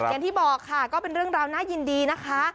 อย่างที่บอกค่ะก็เป็นเรื่องราวน่ายินดีนะคะ